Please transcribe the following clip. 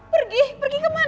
pergi pergi ke mana